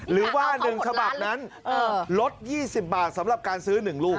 หรือว่า๑ฉบับนั้นลด๒๐บาทสำหรับการซื้อ๑ลูก